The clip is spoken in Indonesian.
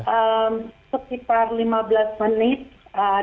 sekitar lima belas menit